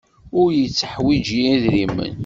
Ur yetteḥwiji idrimen.